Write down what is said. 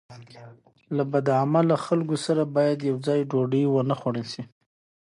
له بد عمله خلکو سره باید یوځای ډوډۍ ونه خوړل شي.